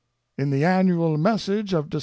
In the Annual Message of Dec.